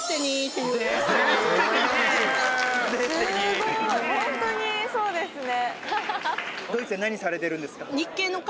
すごいホントにそうですね。